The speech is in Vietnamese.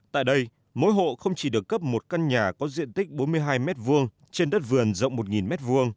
tại đây mỗi hộ không chỉ được cấp một căn nhà có diện tích bốn mươi hai m hai trên đất vườn rộng một m hai